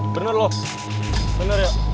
bener loh bener ya